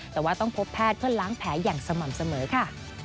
แต่ว่าต้องพบแพทย์เพื่อล้างแผลอย่างสม่ำเสมอค่ะ